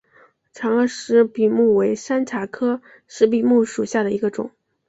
长萼石笔木为山茶科石笔木属下的一个种。